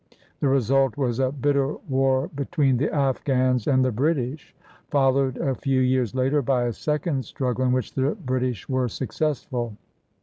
The result was a bitter war between the Afghans and the Brit ish, followed a few years later by a second struggle, in which the British were successful.